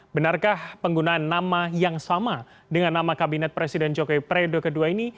benarkah penggunaan nama yang sama dengan nama kabinet presiden jokowi periode kedua ini